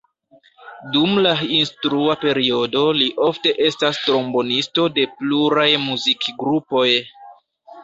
Dum la instrua periodo li ofte estas trombonisto de pluraj muzikgrupoj.